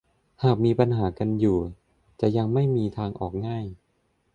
หากมีปัญหากันอยู่จะยังไม่มีทางออกง่าย